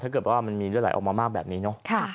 ถ้าเกิดว่ามันมีเลือดไหลออกมามากแบบนี้เนอะ